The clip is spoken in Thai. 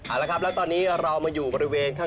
เอาละครับแล้วตอนนี้เรามาอยู่บริเวณข้าง